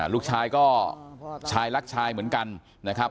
ลูกชายก็ชายรักชายเหมือนกันนะครับ